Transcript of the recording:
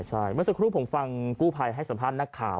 ใช่เมื่อสักครู่ผมฟังกู้ภัยให้สัมภาษณ์นักข่าว